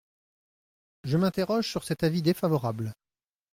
Je m’interroge sur cet avis défavorable.